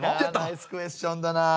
ナイスクエスチョンだな。